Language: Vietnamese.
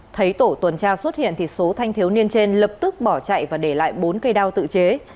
thấy tổ tuần tra xuất hiện số thanh thiếu niên trên lập tức bỏ chạy và để lại bốn cây đao tự chế